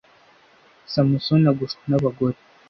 samusoni agushwa n abagore